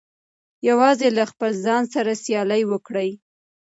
یوازې له خپل ځان سره سیالي وکړئ.